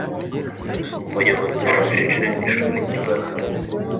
Umushyitsi yabajije ishuri ikibazo.